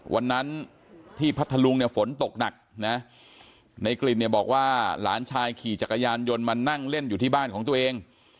วันนั้นที่พัทธลุงเนี่ยฝนตกหนักนะในกลิ่นเนี่ยบอกว่าหลานชายขี่จักรยานยนต์มานั่งเล่นอยู่ที่บ้านของตัวเอง